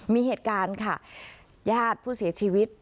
มีเหตุการณ์ค่ะญาติผู้เสียชีวิต